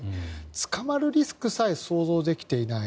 捕まるリスクさえ想像できていない。